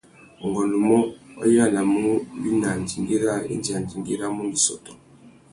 Ungôndumô, wa yānamú wina andjingüî râā indi andjingüî râ mundu i sôtô.